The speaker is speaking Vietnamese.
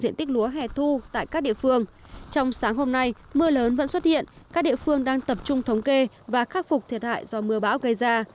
mưa lớn vẫn xuất hiện các địa phương đang tập trung thống kê và khắc phục thiệt hại do mưa bão gây ra